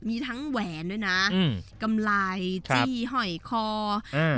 มีทั้งแหวนด้วยนะอืมกำไรจี้หอยคออ่า